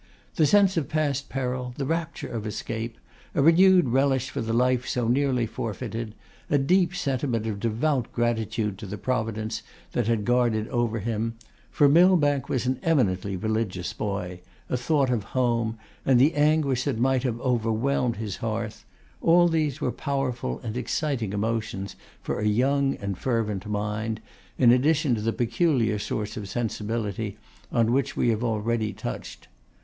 The sense of past peril, the rapture of escape, a renewed relish for the life so nearly forfeited, a deep sentiment of devout gratitude to the providence that had guarded over him, for Millbank was an eminently religious boy, a thought of home, and the anguish that might have overwhelmed his hearth; all these were powerful and exciting emotions for a young and fervent mind, in addition to the peculiar source of sensibility on which we have already touched.